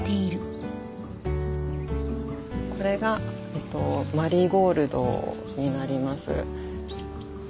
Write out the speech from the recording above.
これがえっとマリーゴールドになります。